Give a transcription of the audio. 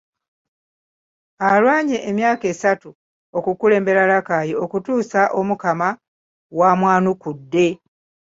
Alwanye emyaka asatu okukulembera Rakai okutuusa Omukama w’amwanukudde .